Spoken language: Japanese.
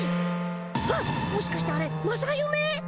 はっもしかしてあれ正ゆめ？